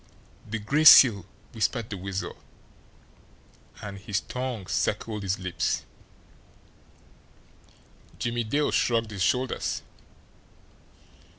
"The Gray Seal!" whispered the Weasel, and his tongue circled his lips. Jimmie Dale shrugged his shoulders.